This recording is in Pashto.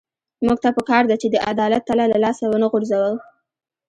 موږ ته پکار ده چې د عدالت تله له لاسه ونه غورځوو.